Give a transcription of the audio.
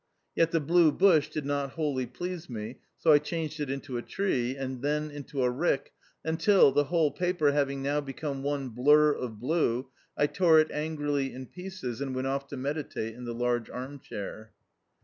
Yet the blue bush did not wholly please me, so I changed it into a tree, and then into a rick, until, the whole paper having now become one blur of blue, I tore it angrily in pieces, and went off to meditate in the large arm chair.